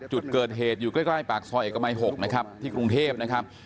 จุดเกิดเหตุอยู่ใกล้ปากซอยเอกมัย๖นะครับที่กรุงเทพนะครับ